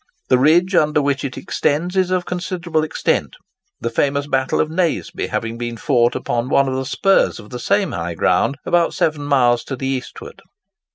The ridge under which it extends is of considerable extent, the famous battle of Naseby having been fought upon one of the spurs of the same high ground about seven miles to the eastward.